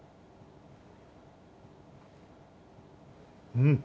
うん。